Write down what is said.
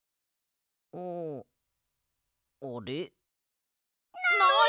ああれ？ない！